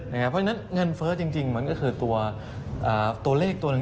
เพราะฉะนั้นเงินเฟิร์ชคือตัวเลขตัวหนึ่ง